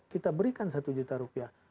kita berikan satu juta rupiah